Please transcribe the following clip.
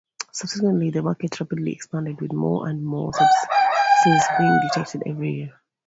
Subsequently the market rapidly expanded, with more and more substances being detected every year.